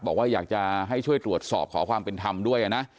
บอกว่าอยากจะให้ช่วยตรวจสอบขอความเป็นธรรมด้วยนะ